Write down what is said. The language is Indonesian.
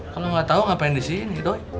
kalo gak tau ngapain disini